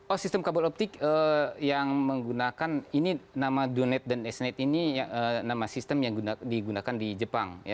oh sistem kabel optik yang menggunakan ini nama donet dan esnet ini nama sistem yang digunakan di jepang